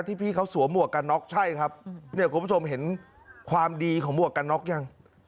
พี่เขาสวมหมวกกันน็อกใช่ครับเนี่ยคุณผู้ชมเห็นความดีของหมวกกันน็อกยัง